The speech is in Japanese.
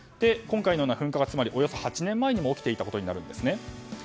今回のような噴火はおよそ８年前にも起きていたことになるんですね。